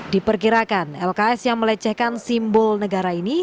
diperkirakan lks yang melecehkan simbol negara ini